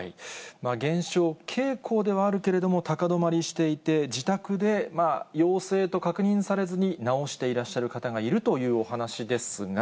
減少傾向ではあるけれども、高止まりしていて、自宅で、陽性と確認されずに、治していらっしゃる方がいるというお話ですが。